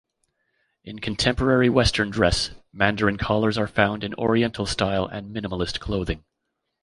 In contemporary Western dress, mandarin collars are found in oriental-style and minimalist clothing.